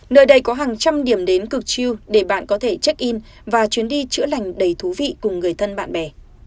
nơi đây có hàng trăm điểm đến cực chiêu để bạn có thể check in và chuyến đi chữa lành đầy thú vị cùng người thân bạn bè